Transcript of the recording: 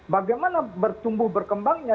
bagaimana bertumbuh berkembangnya